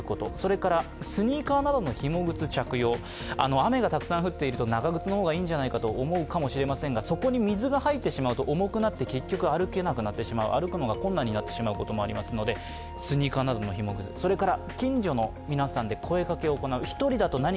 雨がたくさん降っていると長靴の方がいいかと思うかもしれませんが、そこに水が入ってしまうと重くなって結局歩けなくなってしまう、歩くのが困難になってしまうこともありますので、スニーカーなどの紐靴がいいです。